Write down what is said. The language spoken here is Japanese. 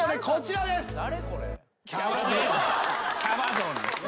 こちらです。